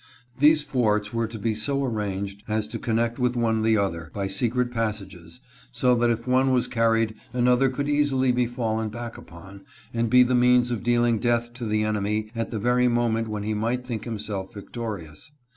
These forts were to be so arranged as to connect one with the other, by secret passages, so that if one was carried another could easily be fallen back upon, and be the means of dealing death to the enemy at the very moment when he might think himself victorious.